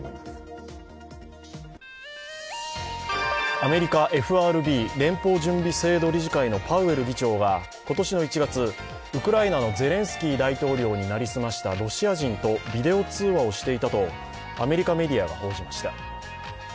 アメリカＦＲＢ＝連邦準備制度理事会のパウエル議長が今年１月、ウクライナのゼレンスキー大統領に成り済ましたロシア人とビデオ通話をしていたとアメリカメディアが報じました。